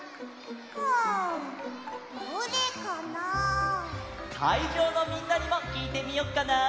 んどれかな？かいじょうのみんなにもきいてみよっかな！